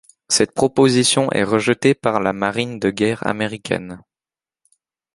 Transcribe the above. Cette proposition est rejetée par la Marine de guerre américaine.